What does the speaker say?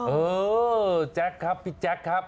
เออแจ็คครับพี่แจ็ค